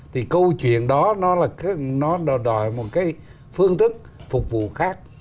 thì câu chuyện đó nó đòi một cái phương thức phục vụ khác